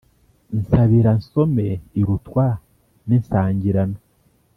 Nsabira nsome irutwa n’insangirano.